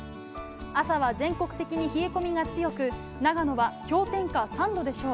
朝は全国的に冷え込みが強く長野は氷点下３度でしょう。